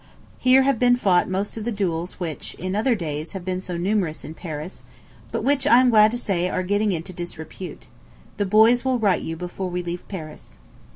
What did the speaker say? Here have been fought most of the duels which, in other days, have been so numerous in Paris, but which, I am glad to say, are getting into disrepute. The boys will write you before we leave Paris.